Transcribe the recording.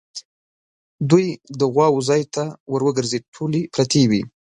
دی د غواوو ځای ته ور وګرځېد، ټولې پرتې وې.